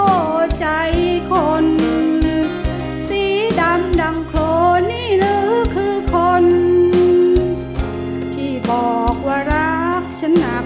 หัวใจคนสีดำดำโครนี่หรือคือคนที่บอกว่ารักฉันหนัก